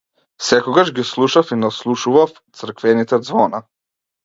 Секогаш ги слушав и наслушував црквените ѕвона.